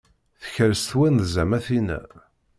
Tekres twenza-m a tinna.